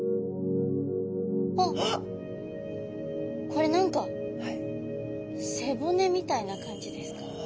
これ何か背骨みたいな感じですか？